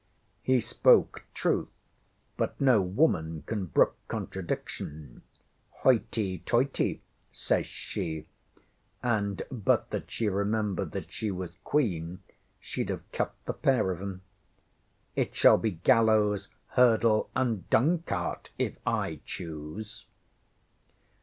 ŌĆØ He spoke truth, but no woman can brook contradiction. ŌĆ£Hoity toity! ŌĆØ says she, and, but that she remembered that she was Queen, sheŌĆÖd have cuffed the pair of ŌĆśem. ŌĆ£It shall be gallows, hurdle, and dung cart if I choose.